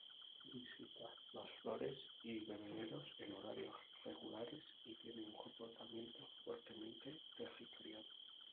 Visita las flores y bebederos en horarios regulares y tiene un comportamiento fuertemente territorial.